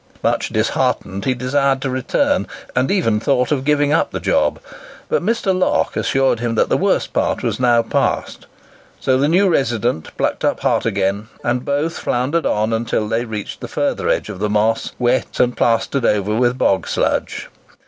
Much disheartened, he desired to return, and even thought of giving up the job; but Mr. Locke assured him that the worst part was now past; so the new resident plucked up heart again, and both floundered on until they reached the further edge of the Moss, wet and plastered over with bog sludge.